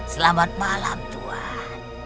selamat malam tuan